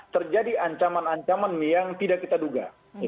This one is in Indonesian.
terjadi ancaman ancaman yang tidak kita duga